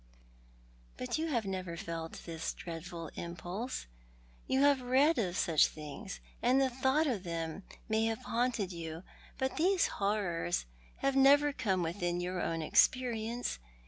"But you have never felt this dreadful impulse— yoii have read of such things, and the thought of them may have haunted you — but these horrors have never come within your own experience.